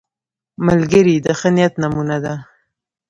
ملګری د ښه نیت نمونه ده